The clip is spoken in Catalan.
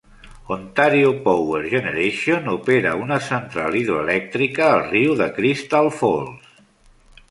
Ontario Power Generation opera una central hidroelèctrica al riu de Crystal Falls.